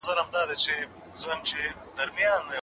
انسان باید د بدن او روح د اړتیاوو پوره کولو ته پام وکړي.